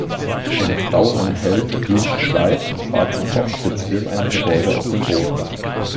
Eine Frau in einem hellen geblümten Kleid und schwarzen Top sitzt neben einem Gebäude auf dem Boden.